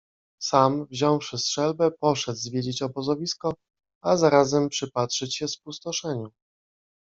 Sam, wziąwszy strzelbę, poszedł zwiedzić obozowisko, a zarazem przypatrzyć się spustoszeniu.